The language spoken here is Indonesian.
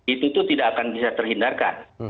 itu tuh tidak akan bisa terhindarkan